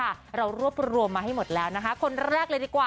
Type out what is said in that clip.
มาค่ะเรารวบรวมมาให้หมดแล้วนะคะคนแรก